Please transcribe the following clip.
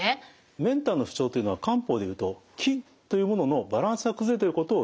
メンタルの不調というのは漢方でいうと「気」というもののバランスが崩れてることをいうんですね。